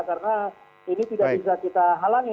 karena ini tidak bisa kita halangi